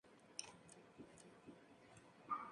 Aparece citado en una obra de James Joyce.